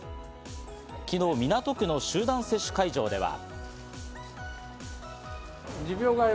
昨日、港区の集団接種会場では。